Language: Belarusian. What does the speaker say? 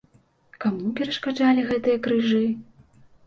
Каму перашкаджалі гэтыя крыжы?